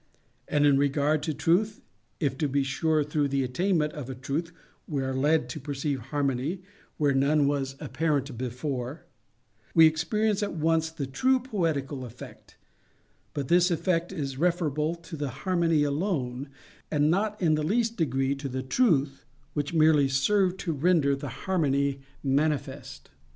And in regard to Truth, if, to be sure, through the attainment of a truth we are led to perceive a harmony where none was apparent before, we experience at once the true poetical effect; but this effect is referable to the harmony alone, and not in the least degree to the truth which merely served to render the harmony manifest.